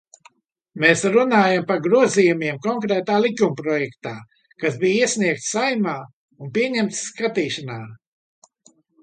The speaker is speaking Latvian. Mēs runājam par grozījumiem konkrētā likumprojektā, kas bija iesniegts Saeimā un pieņemts skatīšanai.